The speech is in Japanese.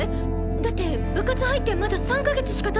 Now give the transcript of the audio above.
だって部活入ってまだ３か月しかたってないじゃない！